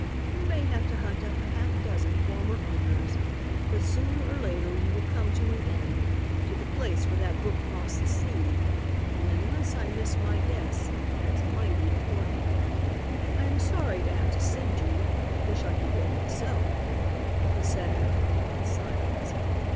You may have to hunt up a half dozen former owners but sooner or later you will come to an end, to the place where that book crossed the sea. And unless I miss my guess, that's mighty important. "I am sorry to have to send you wish I could go myself," he said after a moment's silence.